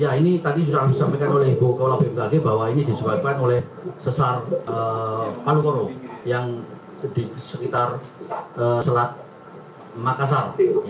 nah ini tadi sudah disampaikan oleh bukawala bmpkg bahwa ini disebabkan oleh sesar palukoro yang di sekitar selat makassar